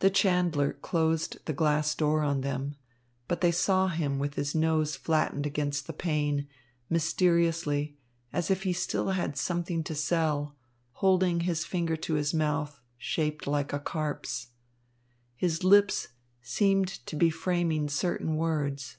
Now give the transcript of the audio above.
The chandler closed the glass door on them; but they saw him with his nose flattened against the pane, mysteriously, as if he still had something to sell, holding his finger to his mouth, shaped like a carp's. His lips seemed to be framing certain words.